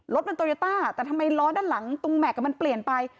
รถมันโตโยต้าแต่ทำไมล้อด้านหลังตรงแม็กซ์มันเปลี่ยนไป